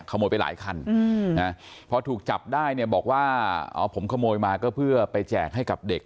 ไปหลายคันพอถูกจับได้เนี่ยบอกว่าเอาผมขโมยมาก็เพื่อไปแจกให้กับเด็ก